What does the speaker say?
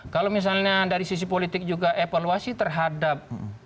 kalau misalnya dari sisi politik juga evaluasi terhadap